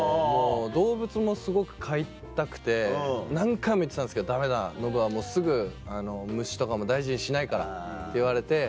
動物もすごく飼いたくて何回も言ってたんですけど「ダメだノブはすぐ虫とかも大事にしないから」って言われて。